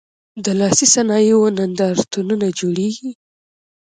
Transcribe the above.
د لاسي صنایعو نندارتونونه جوړیږي؟